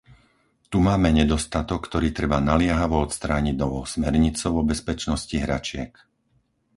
Tu máme nedostatok, ktorý treba naliehavo odstrániť novou smernicou o bezpečnosti hračiek.